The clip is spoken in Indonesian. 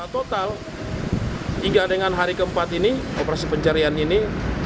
total hingga dengan hari keempat ini operasi pencarian ini